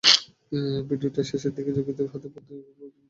ভিডিওটির শেষের দিকে জঙ্গিদের হাতে বন্দী অপর একজন জীবিত ব্যক্তিকে দেখা যায়।